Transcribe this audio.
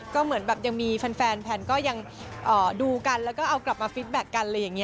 ก็เหมือนแบบยังมีแฟนก็ยังดูกันแล้วก็เอากลับมาฟีดแบ็คกัน